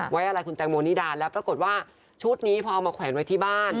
ไว้อะไรคุณแตงโมนิดาแล้วปรากฏว่าชุดนี้พอเอามาแขวนไว้ที่บ้าน